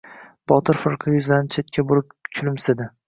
Botir firqa yuzlarini chetga burib kulimsidi.